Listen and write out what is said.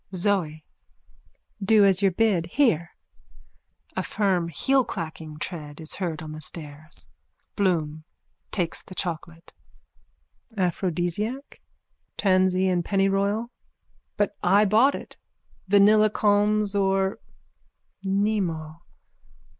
ZOE: Do as you're bid. Here! (A firm heelclacking tread is heard on the stairs.) BLOOM: (Takes the chocolate.) Aphrodisiac? Tansy and pennyroyal. But I bought it. Vanilla calms or? Mnemo.